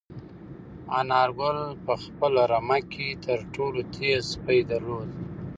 انارګل په خپله رمه کې تر ټولو تېز سپی درلود.